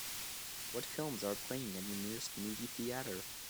What films are playing at the nearest movie theatre